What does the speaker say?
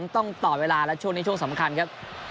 ต้องต่อเวลาและช่วงนี้ช่วงสำคัญครับ